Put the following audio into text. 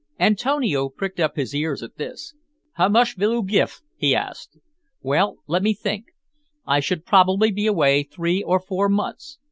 Antonio pricked up his ears at this. "How mush vill 'oo gif?" he asked. "Well, let me think; I shall probably be away three or four months.